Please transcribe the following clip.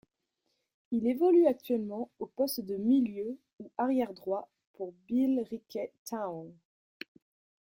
Il évolue actuellement au poste de milieu ou arrière droit pour Billericay Town.